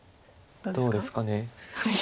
どうですかね。